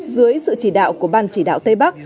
dưới sự chỉ đạo của ban chỉ đạo tây bắc